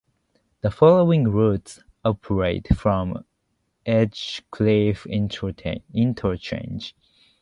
The following routes operate from Edgecliff Interchange.